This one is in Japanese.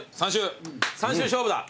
３周勝負だ。